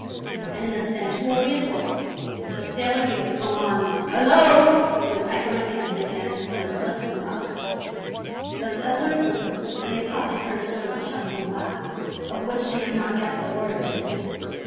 And in a stentorian voice the sailor gave a prolonged "Halloo!" which was echoed again and again from the cliff and rocks. The settlers listened and they thought they heard a sort of chuckling laugh, of which they could not guess the origin.